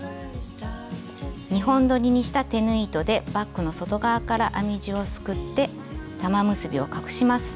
２本どりにした手縫い糸でバッグの外側から編み地をすくって玉結びを隠します。